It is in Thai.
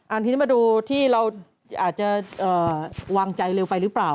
อันนี้มาดูที่เราอาจจะวางใจเร็วไปหรือเปล่า